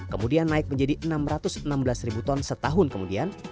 kemudian naik menjadi enam ratus enam belas ribu ton setahun kemudian